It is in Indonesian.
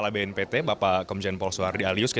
bapak komjen paul soehardi alius